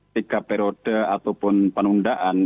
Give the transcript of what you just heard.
tiga periode ataupun penundaan